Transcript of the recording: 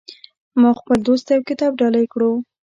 ما خپل دوست ته یو کتاب ډالۍ کړو